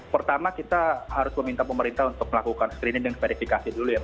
pertama kita harus meminta pemerintah untuk melakukan screening dan verifikasi dulu ya